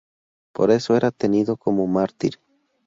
Por eso era tenido como mártir.